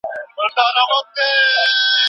مثبت خلګ په سختیو کي هیلي لټوي.